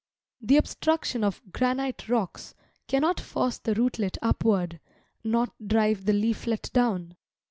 The obstruction of granite rocks, cannot force the rootlet upward, nor drive the leaflet down.